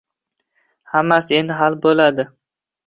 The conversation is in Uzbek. Hammasi endi hal bo‘ladi